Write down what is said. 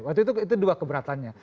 waktu itu dua keberatannya